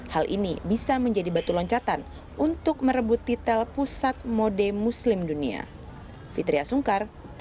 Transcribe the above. hal ini bisa menjadi batu loncatan untuk merebut titel pusat mode muslim dunia